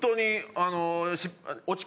あの。